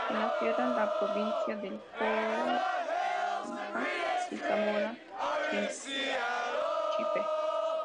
En la sierra: La Provincia de Loja y Zamora Chinchipe.